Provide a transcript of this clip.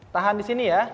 tahan di sini ya